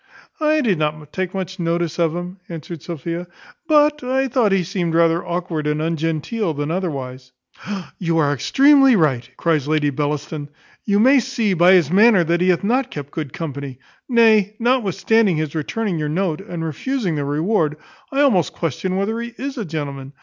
"I did not take much notice of him," answered Sophia, "but I thought he seemed rather awkward, and ungenteel than otherwise." "You are extremely right," cries Lady Bellaston: "you may see, by his manner, that he hath not kept good company. Nay, notwithstanding his returning your note, and refusing the reward, I almost question whether he is a gentleman.